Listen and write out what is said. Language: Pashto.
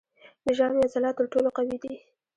د ژامې عضلات تر ټولو قوي دي.